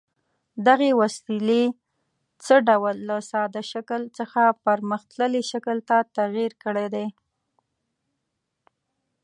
دغې وسیلې څه ډول له ساده شکل څخه پرمختللي شکل ته تغیر کړی دی؟